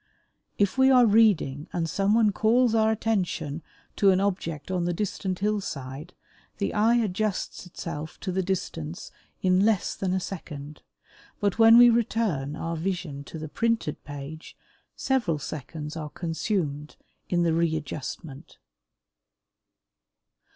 If we are reading and someone calls our attention to an object on the distant hillside, the eye adjusts itself to the distance in less than a second, but when we return our vision to the printed page several seconds are consumed in the re adjustment.